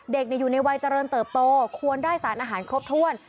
เด็กอยู่ในวัยเจริญเติบโตควรได้สารอาหารครบถ้วน